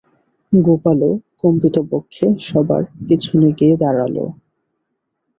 গোপালও কম্পিতবক্ষে সবার পিছনে গিয়ে দাঁড়াল।